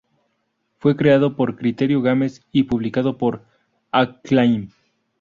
Fue creado por Criterion Games y publicado por Acclaim.